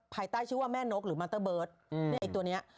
ภายใต้ชื่อว่าแม่นกหรือมัตเตอร์เบิร์ตเนี่ยไอ้ตัวเนี้ย